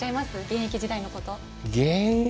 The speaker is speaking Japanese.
現役時代のこと。